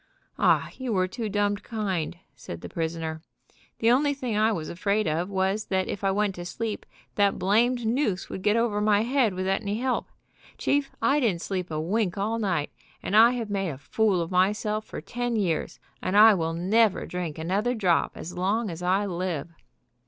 "Oh, you were too dumbed kind," said the prisoner. "The only thing I was afraid of was that if I went to sleep that blamed noose would get over my head without any help. Chief, I didn't sleep a wink all night, and I have made a fool of myself for ten years, and I will never drink another drop as long as I live."